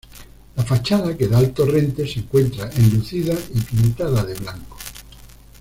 La fachada que da al torrente se encuentra enlucida y pintada de blanco.